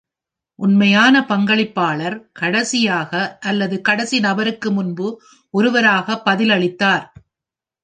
"உண்மையான" பங்களிப்பாளர் கடைசியாக அல்லது கடைசி நபருக்கு முன்பு ஒருவராக பதிலளித்தார்.